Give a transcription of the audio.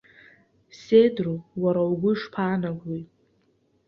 Седру, уара угәы ишԥаанагои?